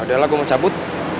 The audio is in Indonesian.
ya udahlah gue mau cabut